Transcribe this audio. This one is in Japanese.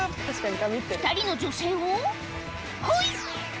２人の女性をほい！